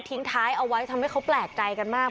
ทิ้งท้ายเอาไว้ทำให้เขาแปลกใจกันมาก